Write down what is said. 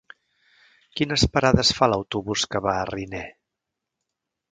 Quines parades fa l'autobús que va a Riner?